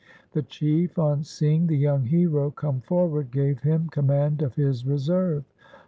The chief, on seeing the young hero come forward, gave him command of his reserve.